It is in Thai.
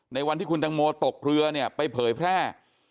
วันที่คุณตังโมตกเรือเนี่ยไปเผยแพร่